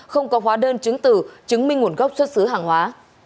không có hóa đơn chứng từ chứng minh nguồn gốc xuất xứ hàng hóa